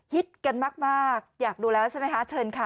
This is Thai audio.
กันมากอยากดูแล้วใช่ไหมคะเชิญค่ะ